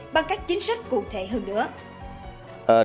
bằng các chính sách cụ thể hơn nữa